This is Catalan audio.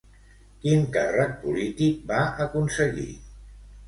Quin càrrec polític va aconseguir?